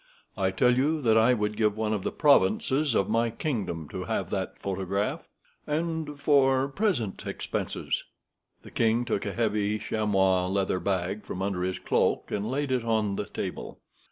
"I tell you that I would give one of the provinces of my kingdom to have that photograph." "And for present expenses?" The king took a heavy chamois leather bag from under his cloak, and laid it on the table.